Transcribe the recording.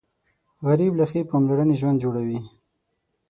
غریب له ښې پاملرنې ژوند جوړوي